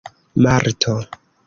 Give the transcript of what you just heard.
marto